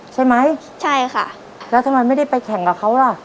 ใช่ไหมใช่ค่ะแล้วทำไมไม่ได้ไปแข่งกับเขาล่ะ